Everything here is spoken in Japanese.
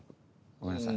ごめんなさい。